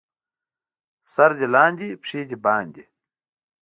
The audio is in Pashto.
سر دې لاندې، پښې دې باندې.